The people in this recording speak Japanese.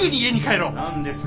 何ですか？